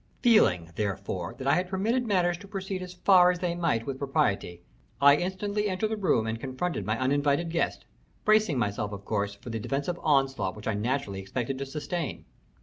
Feeling, therefore, that I had permitted matters to proceed as far as they might with propriety, I instantly entered the room and confronted my uninvited guest, bracing myself, of course, for the defensive onslaught which I naturally expected to sustain.